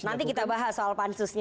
nanti kita bahas soal pansusnya